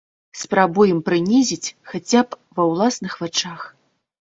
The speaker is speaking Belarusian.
Спрабуем прынізіць хаця б ва ўласных вачах.